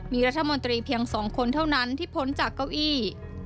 มีรัฐมนตรีเพียง๒คนเท่านั้นที่พ้นจากเก้าอี้